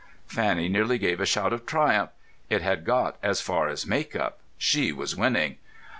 Fanny nearly gave a shout of triumph. It had got as far as make up. She was winning!